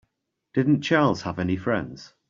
Didn't Charles have any friends?